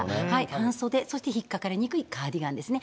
半袖、そして引っ掛かりにくいカーディガンですね。